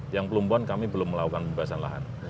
yang pelumpuan kami belum melakukan pembebasan lahan